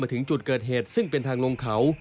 พวกเราจะแข่งราคา